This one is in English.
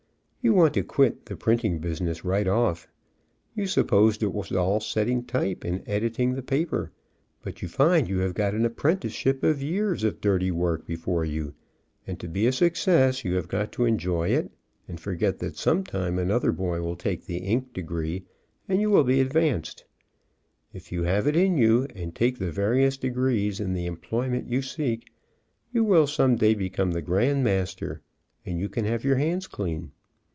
You want to quit" the printing business right off. You supposed it was all setting type and editing the paper, but you find you have got an apprenticeship of years of dirty work Before you, and to be a success you have got to enjoy it, and forget that some time another boy will LEARNING AN EASY TRADE 205 take the ink degree and you will be advanced. If you have it in you, and take the various degrees in the employment you seek, you will some day become the grand master, and you can have your hands clean.